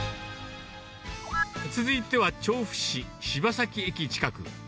続いては調布市柴崎駅近く。